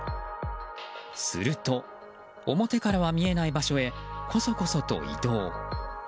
すると、表からは見えない場所へこそこそと移動。